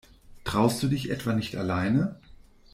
Traust du dich etwa nicht alleine?